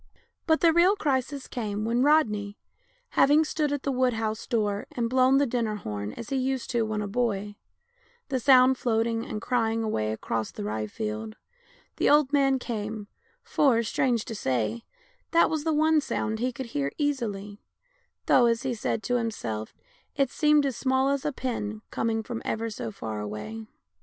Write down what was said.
But the real crisis came when Rodney, having stood at the wood house door and blown the dinner horn as he used to do when a boy, the sound floating and cry ing away across the rye field, the old man came — for, strange to say, that was the one sound he could hear easily, though, as he said to himself, it seemed as small as a pin, coming from ever so far away.